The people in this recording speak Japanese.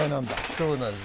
そうなんです。